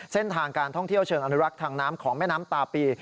เส้นทางการท่องเที่ยวเชิงอนุรักษ์ทางน้ำของแม่น้ำตาปี